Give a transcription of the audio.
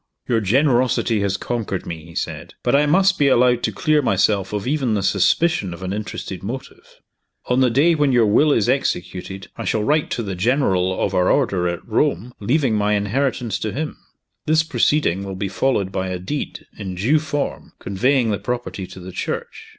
"Your generosity has conquered me," he said. "But I must be allowed to clear myself of even the suspicion of an interested motive. On the day when your will is executed, I shall write to the General of our Order at Rome, leaving my inheritance to him. This proceeding will be followed by a deed, in due form, conveying the property to the Church.